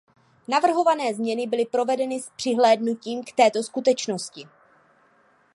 Navrhované změny byly provedeny s přihlédnutím k této skutečnosti.